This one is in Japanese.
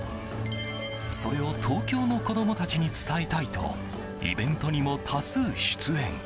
それを東京の子供たちに伝えたいとイベントにも多数出演。